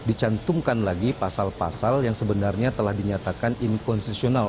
dicantumkan lagi pasal pasal yang sebenarnya telah dinyatakan inkonstitusional